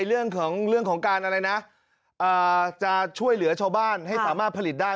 เรื่องของการอะไรนะจะช่วยเหลือชาวบ้านให้สามารถผลิตได้